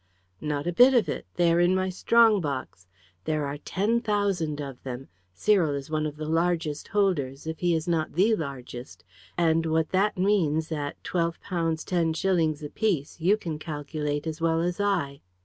"Not a bit of it. They are in my strongbox. There are ten thousand of them Cyril is one of the largest holders, if he is not the largest; and what that means at £12 10s. apiece you can calculate as well as I."